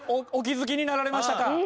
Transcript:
お気づきになられましたか。